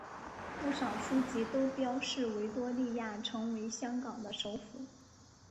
不少书籍都标示维多利亚城为香港的首府。